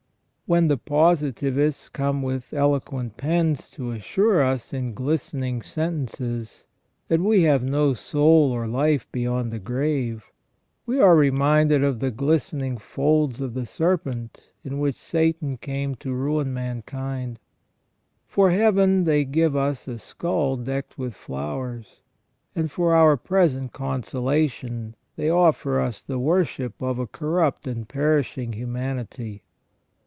When the Positivists come with eloquent pens to assure us in glistening sentences that we have no soul or life beyond the grave, we are reminded of the glistening folds of the serpent in which Satan came to ruin man kind. For heaven they give us a skull decked with flowers, and for our present consolation they offer us the worship of a corrupt and perishing humanity.